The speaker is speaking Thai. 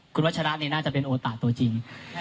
คุณวัชระน่าจะเป็นโอตะตัวจริง